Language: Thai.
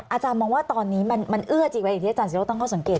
อาจารย์มองว่าตอนนี้มันเอื้อจีกไปอย่างที่อาจารย์๐ต้องเข้าสังเกต